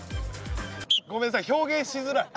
ごめんなさい表現しづらい。